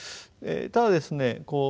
ただですね